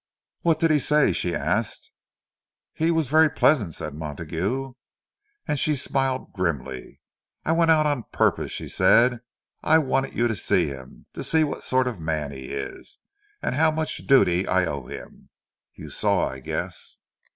"What did he say?" she asked. "He—was very pleasant," said Montague. And she smiled grimly. "I went out on purpose," she said. "I wanted you to see him—to see what sort of a man he is, and how much 'duty' I owe him! You saw, I guess."